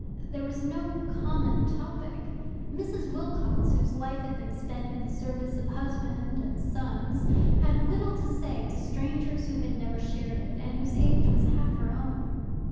There was no common topic. Mrs. Wilcox, whose life had been spent in the service of husband and sons, had little to say to strangers who had never shared it, and whose age was half her own.